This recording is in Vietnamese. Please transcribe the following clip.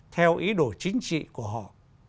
theo ý đồ chính trị của họ